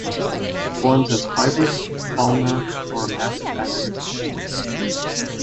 It forms as fibrous, columnar or massive aggregates of crystals.